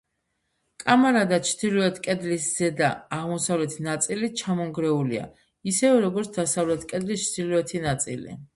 კამარა და ჩრდილოეთ კედლის ზედა, აღმოსავლეთი ნაწილი ჩამონგრეულია, ისევე როგორც დასავლეთ კედლის ჩრდილოეთი ნაწილი.